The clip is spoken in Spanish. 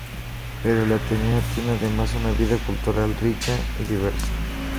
Pero el Ateneo tiene además una vida cultural rica y diversa.